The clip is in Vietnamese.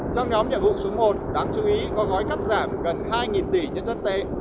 trong nhóm nhiệm vụ số một đáng chú ý có gói cắt giảm gần hai tỷ nhân dân tệ